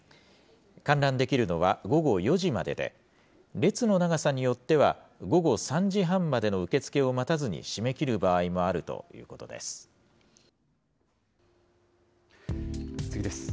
観覧できるのは午後４時までで、列の長さによっては、午後３時半までの受け付けを待たずに締め切る場合もあるというこ次です。